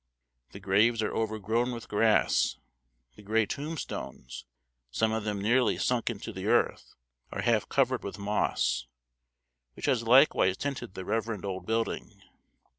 The graves are overgrown with grass; the gray tombstones, some of them nearly sunk into the earth, are half covered with moss, which has likewise tinted the reverend old building.